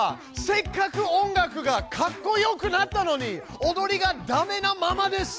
せっかく音楽がかっこよくなったのに踊りがダメなままです。